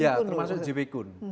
ya termasuk j p kuhn